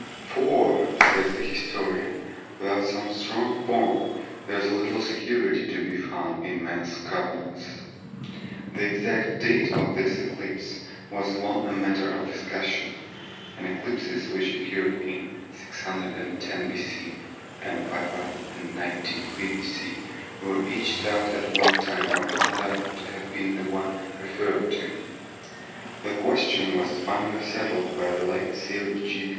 "For (says the historian) without some strong bond, there is little security to be found in men's covenants." The exact date of this eclipse was long a matter of discussion, and eclipses which occurred in 610 B.C. and 593 B.C. were each thought at one time or another to have been the one referred to. The question was finally settled by the late Sir G.